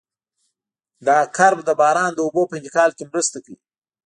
دا کرب د باران د اوبو په انتقال کې مرسته کوي